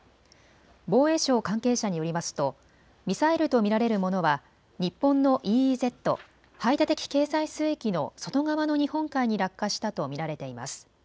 防衛省関係者によりますとミサイルと見られるものは日本のＥＥＺ・排他的経済水域の外側の日本海に落下したと見られています。